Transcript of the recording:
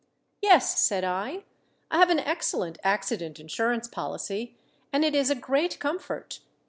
"Yes," said I. "I have an excellent accident insurance policy, and it is a great comfort.